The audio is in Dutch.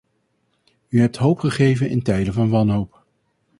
U hebt hoop gegeven in tijden van wanhoop.